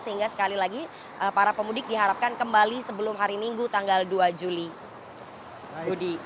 sehingga sekali lagi para pemudik diharapkan kembali sebelum hari minggu tanggal dua juli